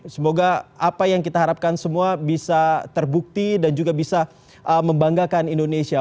semoga apa yang kita harapkan semua bisa terbukti dan juga bisa membanggakan indonesia